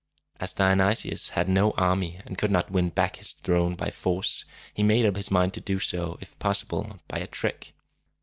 As Dionysius had no army, and could not win back his throne by force, he made up his mind to do so, if possible, by a trick.